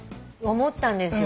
思ったんですよ。